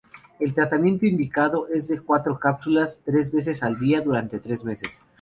El tratamiento indicado es de cuatro cápsulas tres veces al día durante tres meses.